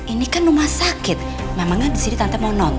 ini kan rumah sakit memangnya disini tante mau nonton